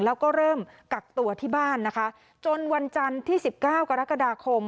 แล้วก็เริ่มกักตัวที่บ้านนะคะจนวันจันทร์ที่สิบเก้ากรกฎาคม